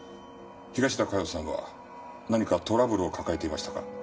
東田加代さんは何かトラブルを抱えていましたか？